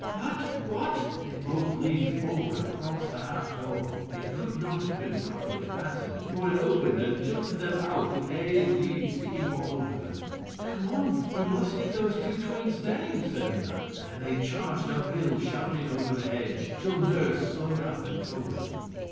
'What? What?' They both leaned forward across the half door. It could not have been properly fastened, for it opened, and tilted them out with hay and leaves sticking all over them. 'Come on! We must get those two twins' names,' said Una, and they charged uphill shouting over the hedge, till Nurse slowed up and told them.